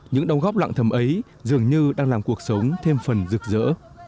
những đồng góp lặng thầm ấy dường như đang làm cuộc sống thêm phần rực rỡ